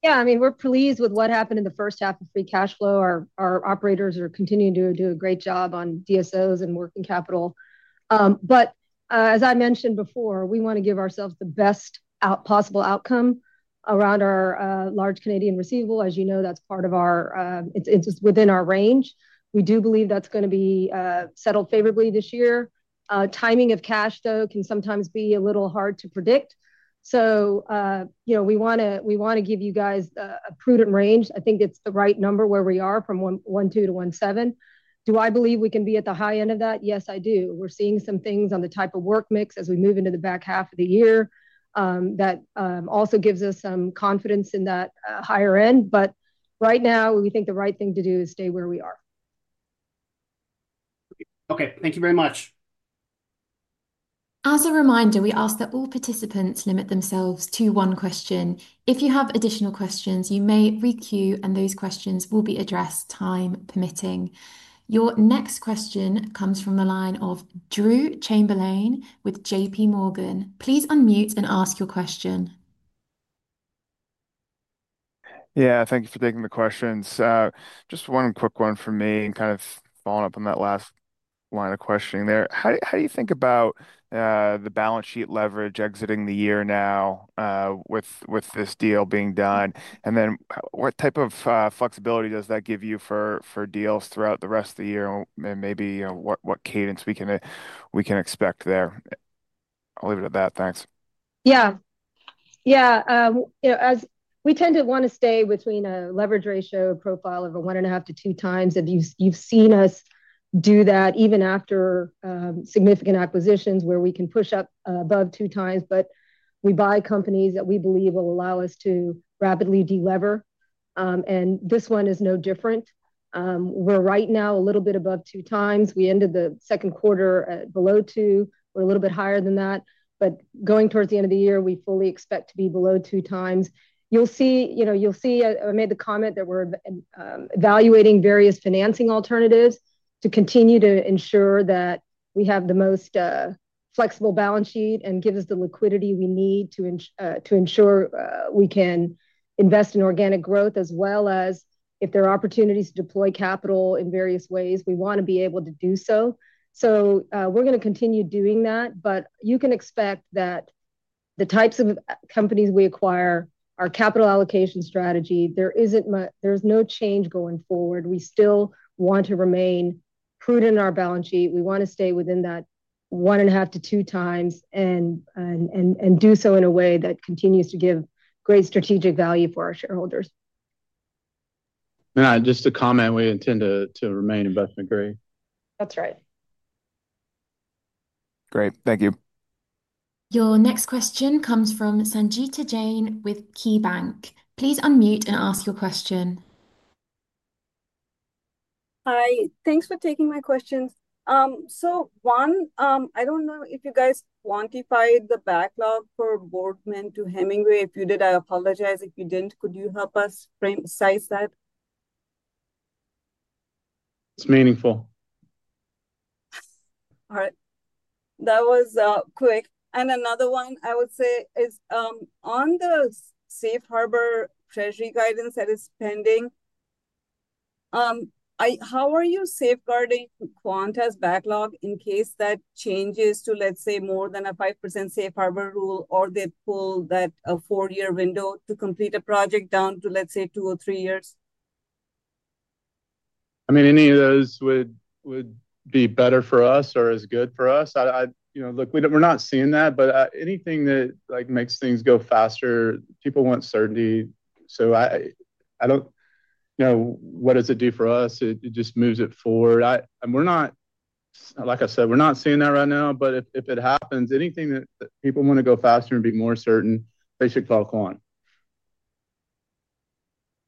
Yeah. I mean, we're pleased with what happened in the first half of free cash flow. Our operators are continuing to do a great job on DSOs and working capital. As I mentioned before, we want to give ourselves the best possible outcome around our large Canadian receivable. As you know, that's part of our, it's within our range. We do believe that's going to be settled favorably this year. Timing of cash, though, can sometimes be a little hard to predict. We want to give you guys a prudent range. I think it's the right number where we are, from $1.2 billion to $1.7 billion. Do I believe we can be at the high end of that? Yes, I do. We're seeing some things on the type of work mix as we move into the back half of the year that also gives us some confidence in that higher end. Right now, we think the right thing to do is stay where we are. Okay, thank you very much. As a reminder, we ask that all participants limit themselves to one question. If you have additional questions, you may re-queue and those questions will be addressed, time permitting. Your next question comes from the line of Drew Chamberlain with JPMorgan. Please unmute and ask your question. Thank you for taking the questions. Just one quick one for me, kind of following up on that last line of questioning. How do you think about the balance sheet leverage exiting the year now with this deal being done? What type of flexibility does that give you for deals throughout the rest of the year? And maybe what cadence we can expect there? I'll leave it at that. Thanks. Yeah. Yeah. We tend to want to stay between a leverage profile of 1.5 to 2 times. You've seen us do that even after significant acquisitions where we can push up above 2 times. We buy companies that we believe will allow us to rapidly delever, and this one is no different. We're right now a little bit above 2 times. We ended the second quarter at below 2. We're a little bit higher than that, but going towards the end of the year, we fully expect to be below 2 times. You'll see I made the comment that we're evaluating various refinancing alternatives to continue to ensure that we have the most flexible balance sheet and gives us the liquidity we need to ensure we can invest in organic growth as well as if there are opportunities to deploy capital in various ways, we want to be able to do so. We're going to continue doing that. You can expect that the types of companies we acquire, our capital allocation strategy, there is no change going forward. We still want to remain prudent in our balance sheet. We want to stay within that 1.5 to 2 times and do so in a way that continues to give great strategic value for our shareholders. Just to comment, we intend to remain investment grade. That's right. Great. Thank you. Your next question comes from Sangita Jain with KeyBanc. Please unmute and ask your question. Hi. Thanks for taking my questions. I don't know if you guys quantified the backlog for Boardman to Hemingway. If you did, I apologize. If you didn't, could you help us frame size that? It's meaningful. All right. That was quick. Another one I would say is on the Safe Harbor Treasury guidance that is pending. How are you safeguarding Quanta's backlog in case that changes to, let's say, more than a 5% Safe Harbor rule or they pull that four-year window to complete a project down to, let's say, two or three years? Any of those would be better for us or as good for us. We're not seeing that. Anything that makes things go faster, people want certainty. I don't know what does it do for us. It just moves it forward. Like I said, we're not seeing that right now. If it happens, anything that people want to go faster and be more certain, they should call Quanta.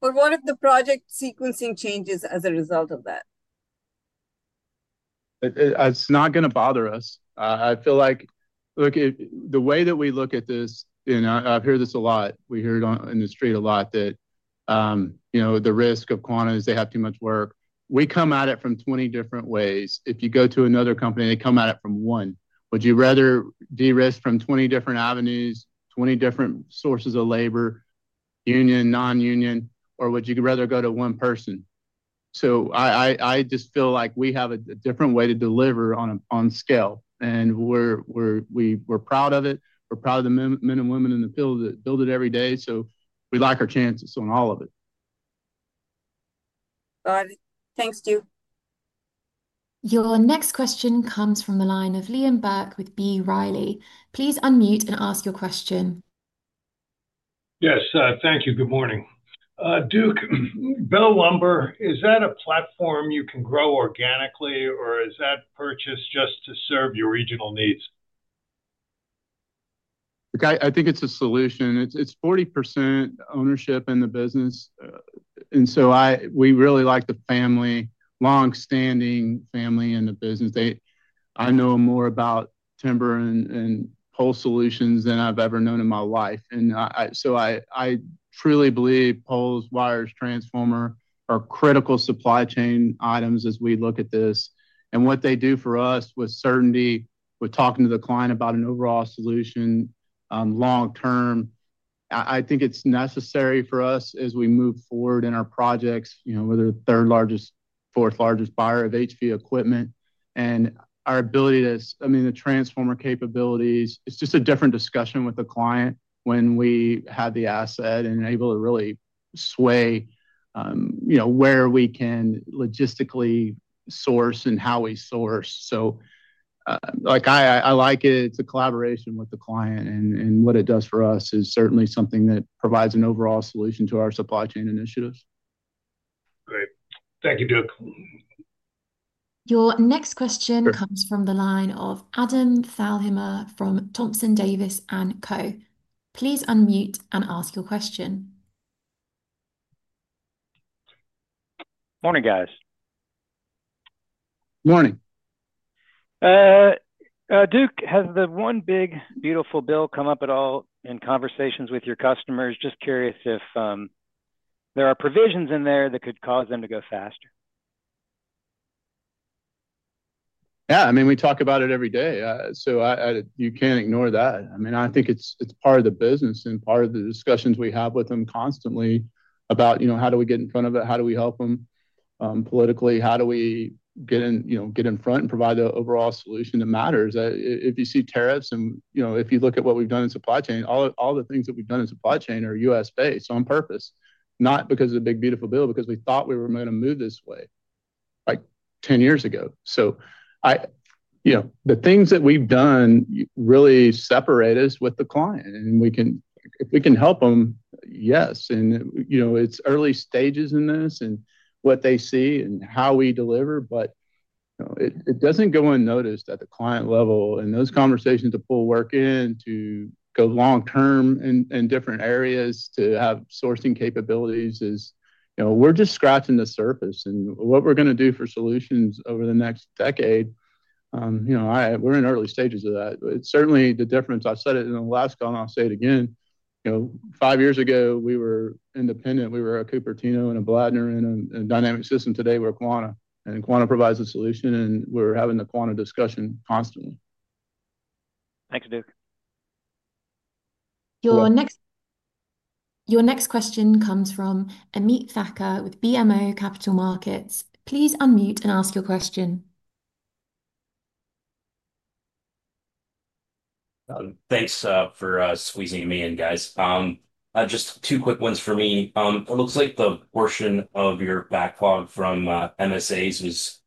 What if the project sequencing changes as a result of that? It's not going to bother us. I feel like, look, the way that we look at this, and I hear this a lot. We hear it on the street a lot that the risk of Quanta Services is they have too much work. We come at it from 20 different ways. If you go to another company, they come at it from one. Would you rather de-risk from 20 different avenues, 20 different sources of labor, union, non-union, or would you rather go to one person? I just feel like we have a different way to deliver on scale, and we're proud of it. We're proud of the men and women in the field that build it every day. We like our chances on all of it. Thanks, Duke. Your next question comes from the line of Liam Burke with B. Riley. Please unmute and ask your question. Yes. Thank you. Good morning. Duke, Bell Lumber and Pole Company, is that a platform you can grow organically? or is that purchased just to serve your regional needs? I think it's a solution. It's 40% ownership in the business, and we really like the family, long-standing family in the business. I know more about timber and pole solutions than I've ever known in my life. I truly believe poles, wires, transformer are critical supply chain items as we look at this. What they do for us with certainty, with talking to the client about an overall solution. Long-term, I think it's necessary for us as we move forward in our projects, whether the third largest, fourth largest buyer of HV equipment, and our ability to, I mean, the transformer capabilities, it's just a different discussion with the client when we have the asset and are able to really sway where we can logistically source and how we source. I like it. It's a collaboration with the client, and what it does for us is certainly something that provides an overall solution to our supply chain initiatives. Great. Thank you, Duke. Your next question comes from the line of Adam Thalhimer from Thompson Davis and Co. Please unmute and ask your question. Morning, guys. Morning. Duke, has the one big beautiful bill come up at all in conversations with your customers? Just curious if there are provisions in there that could cause them to go faster. Yeah. I mean, we talk about it every day. You can't ignore that. I mean, I think it's part of the business and part of the discussions we have with them constantly about how do we get in front of it? How do we help them politically? How do we get in front and provide the overall solution that matters? If you see tariffs and if you look at what we've done in supply chain, all the things that we've done in supply chain are U.S.-based on purpose, not because of the big beautiful bill, because we thought we were going to move this way 10 years ago. The things that we've done really separate us with the client. If we can help them, yes. It's early stages in this and what they see and how we deliver. It doesn't go unnoticed at the client level. Those conversations to pull work in to go long-term in different areas to have sourcing capabilities is we're just scratching the surface. What we're going to do for solutions over the next decade, we're in early stages of that. Certainly, the difference, I've said it in Alaska, and I'll say it again. Five years ago, we were independent. We were a Cupertino and a Bladner and a Dynamic Systems. Today, we're Quanta. Quanta provides a solution, and we're having the Quanta discussion constantly. Thanks, Duke. Your next question comes from Ameet Thakkar with BMO Capital Markets. Please unmute and ask your question. Thanks for squeezing me in, guys. Just two quick ones for me. It looks like the portion of your backlog from MSAs is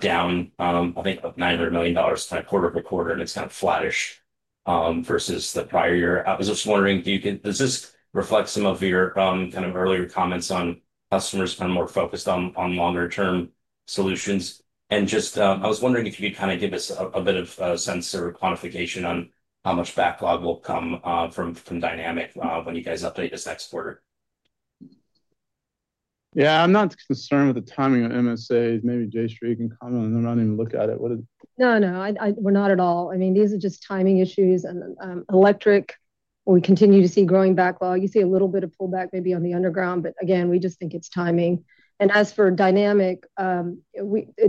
down, I think, $900 million quarter by quarter, and it's kind of flattish versus the prior year. I was just wondering, does this reflect some of your earlier comments on customers more focused on longer-term solutions? I was also wondering if you could give us a bit of a sense or a quantification on how much backlog will come from Dynamic Systems when you guys update this next quarter. Yeah, I'm not concerned with the timing of MSAs. Maybe Jayshree can comment on it. I'm not even looking at it. No, we're not at all. I mean, these are just timing issues. In electric, we continue to see growing backlog. You see a little bit of pullback maybe on the underground. Again, we just think it's timing. As for Dynamic Systems,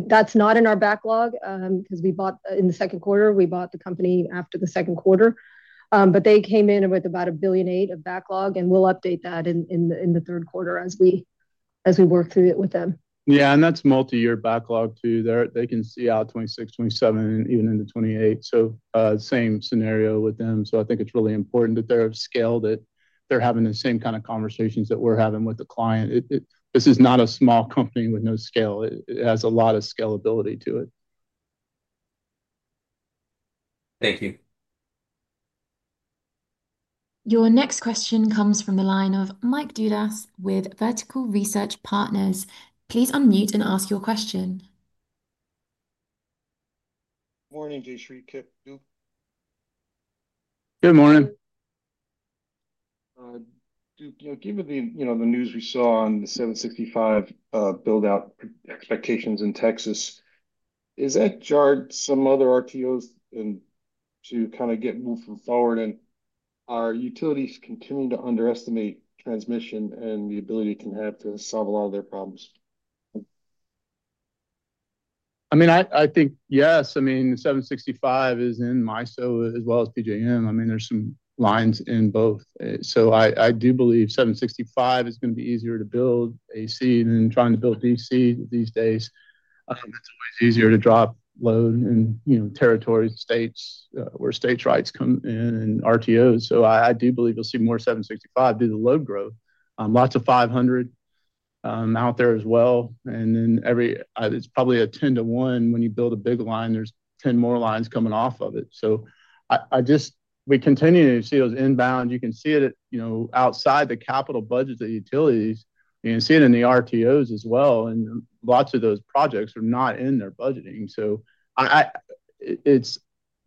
that's not in our backlog because in the second quarter, we bought the company after the second quarter. They came in with about $1.8 billion of backlog, and we'll update that in the third quarter as we work through it with them. Yeah, that's multi-year backlog too. They can see out 2026, 2027, and even into 2028. Same scenario with them. I think it's really important that they're scaled, that they're having the same kind of conversations that we're having with the client. This is not a small company with no scale. It has a lot of scalability to it. Thank you. Your next question comes from the line of Mike Dudas with Vertical Research Partners. Please unmute and ask your question. Morning, Jayshree. Duke. Good morning. Duke, given the news we saw on the 765 build-out expectations in Texas, has that jarred some other RTOs to kind of get moved forward? Are utilities continuing to underestimate transmission and the ability it can have to solve a lot of their problems? I think yes. 765 is in MISO as well as PJM. There are some lines in both. I do believe 765 is going to be easier to build AC than trying to build DC these days. It's always easier to drop load in territories, states where states' rights come in and RTOs. I do believe you'll see more 765 due to load growth. Lots of 500 out there as well. It's probably a 10 to 1 when you build a big line, there are 10 more lines coming off of it. We continue to see those inbound. You can see it outside the capital budgets of utilities. You can see it in the RTOs as well. Lots of those projects are not in their budgeting. It's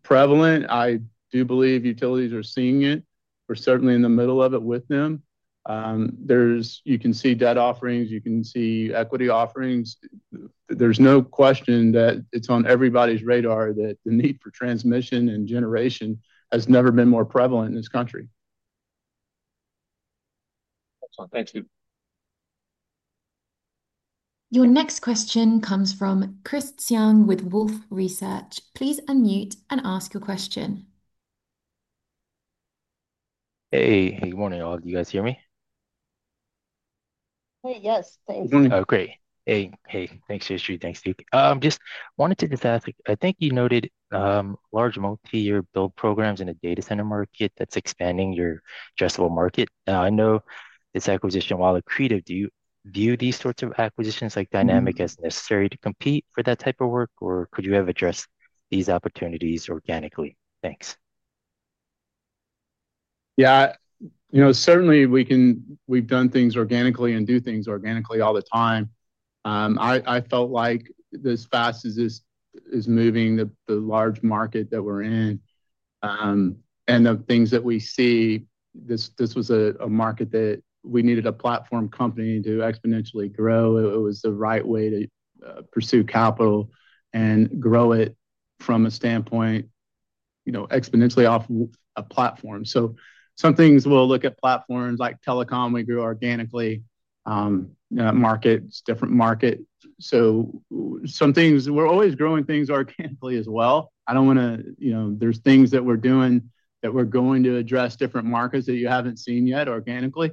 prevalent. I do believe utilities are seeing it. We're certainly in the middle of it with them. You can see debt offerings. You can see equity offerings. There's no question that it's on everybody's radar that the need for transmission and generation has never been more prevalent in this country. Excellent. Thanks, Duke. Your next question comes from Chris Tsiong with Wolfe Research. Please unmute and ask your question. Hey, good morning. Do you guys hear me? Hey, yes, thanks. Oh, great. Hey. Thanks, Jayshree. Thanks, Duke. Just wanted to ask, I think you noted large multi-year build programs in a data center market that's expanding your addressable market. I know this acquisition, while accretive, do you view these sorts of acquisitions like Dynamic as necessary to compete for that type of work? Or could you have addressed these opportunities organically? Thanks. Yeah. Certainly, we've done things organically and do things organically all the time. I felt like as fast as this is moving, the large market that we're in, and the things that we see, this was a market that we needed a platform company to exponentially grow. It was the right way to pursue capital and grow it from a standpoint, exponentially off a platform. Some things we'll look at platforms like telecom. We grew organically. Markets, different market. We're always growing things organically as well. There's things that we're doing that we're going to address different markets that you haven't seen yet organically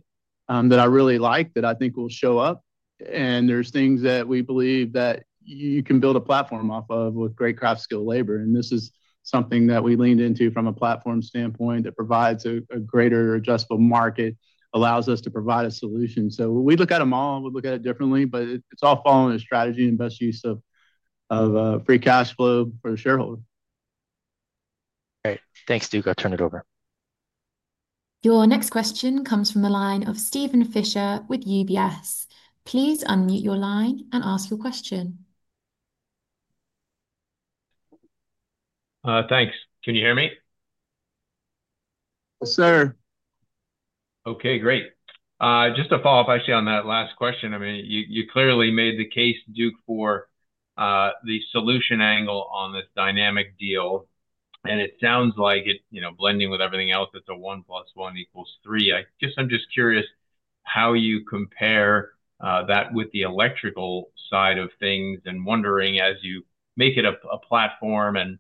that I really like, that I think will show up. There's things that we believe that you can build a platform off of with great craft skilled labor. This is something that we leaned into from a platform standpoint that provides a greater adjustable market, allows us to provide a solution. We look at them all. We look at it differently, but it's all following a strategy and best use of free cash flow for the shareholder. Great. Thanks, Duke. I'll turn it over. Your next question comes from the line of Steven Fisher with UBS. Please unmute your line and ask your question. Thanks. Can you hear me? Yes, sir. Okay. Great. Just to follow up, actually, on that last question, you clearly made the case, Duke, for the solution angle on this Dynamic Systems deal. It sounds like it, blending with everything else, it's a 1 plus 1 equals 3. I'm just curious how you compare that with the electrical side of things and wondering, as you make it a platform and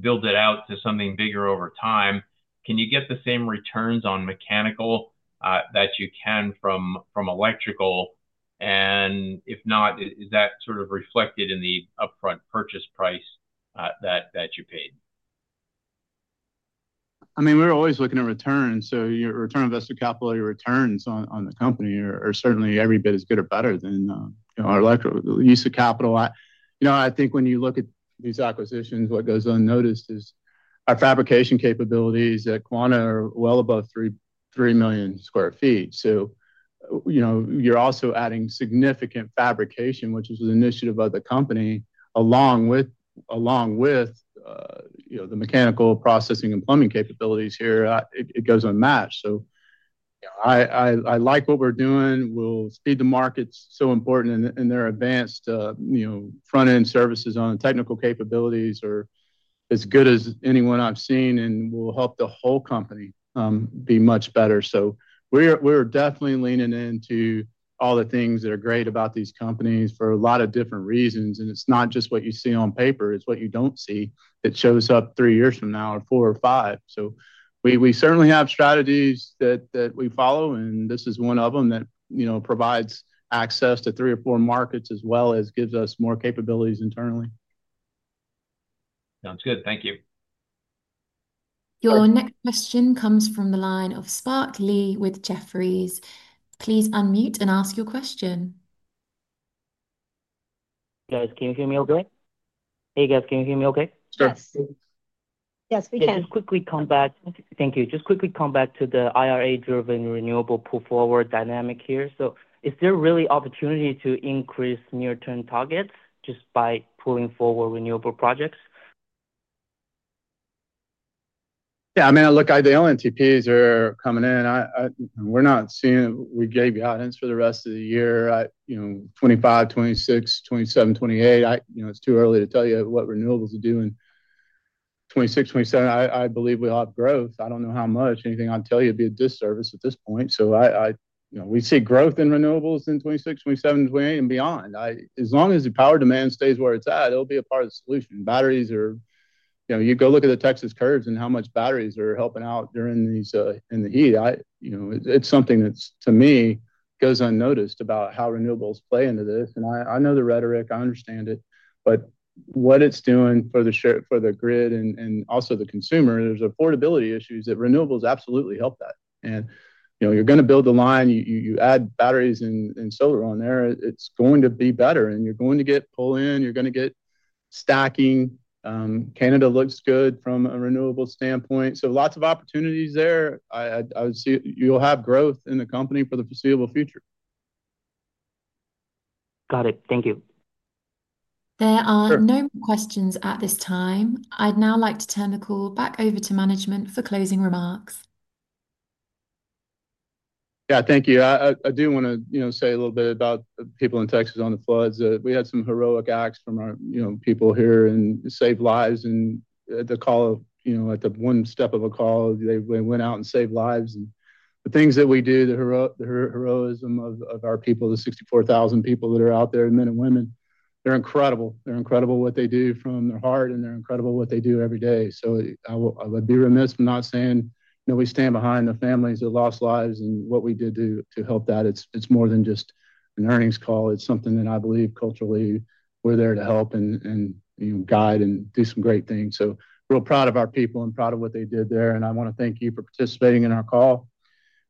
build it out to something bigger over time, can you get the same returns on mechanical that you can from electrical? If not, is that sort of reflected in the upfront purchase price that you paid? I mean, we're always looking at returns. Your return on investor capital, your returns on the company are certainly every bit as good or better than our electrical use of capital. I think when you look at these acquisitions, what goes unnoticed is our fabrication capabilities at Quanta are well above 3 million square feet. You're also adding significant fabrication, which is an initiative of the company along with the mechanical processing and plumbing capabilities here. It goes unmatched. I like what we're doing. We'll speed the markets. Important in their advanced front-end services on technical capabilities are as good as anyone I've seen and will help the whole company be much better. We're definitely leaning into all the things that are great about these companies for a lot of different reasons. It's not just what you see on paper. It's what you don't see that shows up three years from now or four or five. We certainly have strategies that we follow. This is one of them that provides access to three or four markets as well as gives us more capabilities internally. Sounds good. Thank you. Your next question comes from the line of Spark Lee with Jefferies. Please unmute and ask your question. Can you hear me okay? Hey, can you hear me okay? Yes, yes, we can. Thank you. Just quickly, come back to the IRA-driven renewable pull-forward dynamic here. Is there really opportunity to increase near-term targets just by pulling forward renewable projects? Yeah. I mean, look, the LNTPs are coming in. We're not seeing—we gave you guidance for the rest of the year, '25, '26, '27, '28. It's too early to tell you what renewables are doing. '26, '27, I believe we'll have growth. I don't know how much. Anything I'd tell you would be a disservice at this point. We see growth in renewables in '26, '27, 28, and beyond. As long as the power demand stays where it's at, it'll be a part of the solution. Batteries are—you go look at the Texas curves and how much batteries are helping out during the heat. It's something that, to me, goes unnoticed about how renewables play into this. I know the rhetoric. I understand it. What it's doing for the grid and also the consumer, there's affordability issues that renewables absolutely help that. You're going to build a line. You add batteries and solar on there. It's going to be better. You're going to get pull-in. You're going to get stacking. Canada looks good from a renewable standpoint. Lots of opportunities there. I would see you'll have growth in the company for the foreseeable future. Got it. Thank you. There are no more questions at this time. I'd now like to turn the call back over to management for closing remarks. Yeah. Thank you. I do want to say a little bit about people in Texas on the floods. We had some heroic acts from our people here and saved lives at the call of, at the one step of a call, they went out and saved lives. The things that we do, the heroism of our people, the 64,000 people that are out there, men and women, they're incredible. They're incredible what they do from their heart, and they're incredible what they do every day. I would be remiss for not saying we stand behind the families that lost lives and what we did to help that. It's more than just an earnings call. It's something that I believe culturally we're there to help and guide and do some great things. Real proud of our people and proud of what they did there. I want to thank you for participating in our call.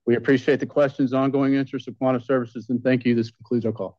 We appreciate the questions, ongoing interest of Quanta Services. Thank you. This concludes our call.